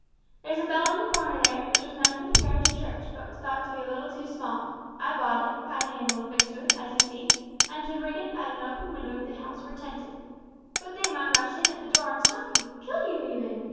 There's a bell in the corner there, which was meant for the parish church, but was thought to be a little too small. I bought it, had a handle affixed to it, as you see, and should ring it at an open window if the house were attempted. "But they might rush in at the door and stop you kill you even!"